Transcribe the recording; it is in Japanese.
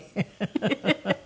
フフフフ！